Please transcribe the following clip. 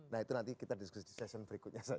nah itu nanti kita diskusi di session berikutnya